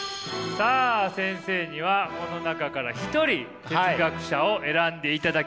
さあ先生にはこの中から一人哲学者を選んでいただきます。